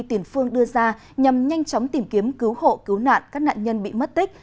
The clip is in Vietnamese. tiền phương đưa ra nhằm nhanh chóng tìm kiếm cứu hộ cứu nạn các nạn nhân bị mất tích